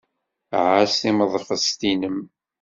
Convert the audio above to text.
Ɛass timeḍfest-nnem.